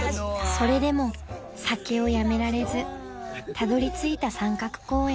［それでも酒をやめられずたどりついた三角公園］